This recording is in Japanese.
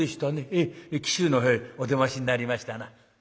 ええ紀州の方へお出ましになりましたな」。